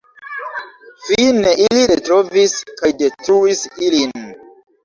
Fine, ili retrovis kaj detruis ilin.